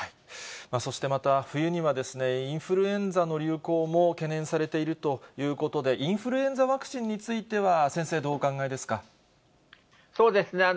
そしてまた、冬にはインフルエンザの流行も懸念されているということで、インフルエンザワクチンについては、先生、そうですね。